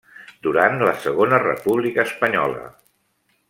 Durant la Segona República Espanyola.